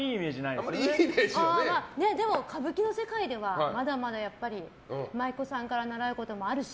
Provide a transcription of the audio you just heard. でも歌舞伎の世界ではまだまだやっぱり舞妓さんから習うこともあるし